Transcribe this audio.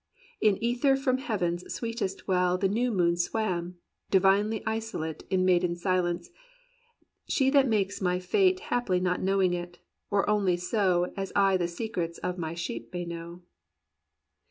in ether from heaven's sweetest well The new moon swam, divinely isolate In maiden silence, she that makes my fate Haply not knowing it, or only so As I the secrets of my sheep may know."